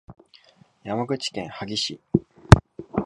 山口県萩市